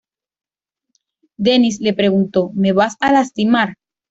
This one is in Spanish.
Dennis le preguntó: "¿Me vas a lastimar?